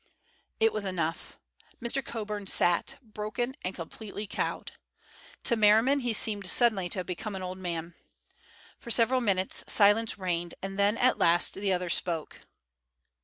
It was enough. Mr. Coburn sat, broken and completely cowed. To Merriman he seemed suddenly to have become an old man. For several minutes silence reigned, and then at last the other spoke.